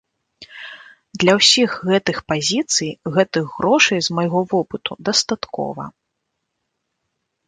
Для ўсіх гэтых пазіцый гэтых грошай, з майго вопыту, дастаткова.